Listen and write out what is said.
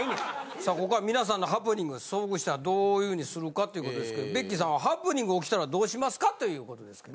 さあここから皆さんのハプニング遭遇したらどういうふうにするかっていうことですけどベッキーさんはハプニング起きたらどうしますかっていうことですけど。